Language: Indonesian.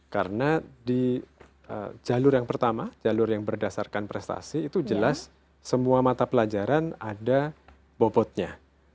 karena di jalur yang pertama jalur yang berdasarkan prestasi itu jelas semua mata pelajaran ada bobotnya